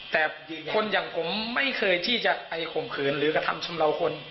แต่คนอย่างผมไม่เคยที่จะไปข่มขืนหรือกระทำชำเลาคน